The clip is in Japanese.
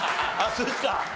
そうですか。